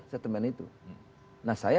setempat itu nah saya